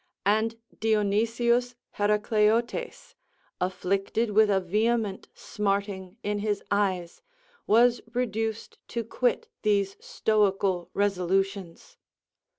And Dionysius Heracleotes, afflicted with a vehement smarting in his eyes, was reduced to quit these stoical resolutions.